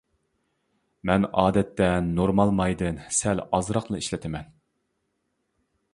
مەن ئادەتتە نورمال مايدىن سەل ئازراقلا ئىشلىتىمەن.